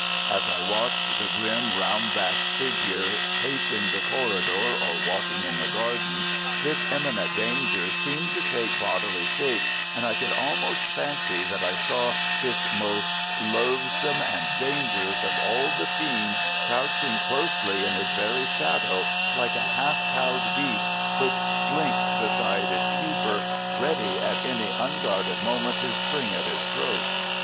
As I watched the grim, round backed figure pacing the corridor or walking in the garden, this imminent danger seemed to take bodily shape, and I could almost fancy that I saw this most loathsome and dangerous of all the fiends crouching closely in his very shadow, like a half cowed beast which slinks beside its keeper, ready at any unguarded moment to spring at his throat.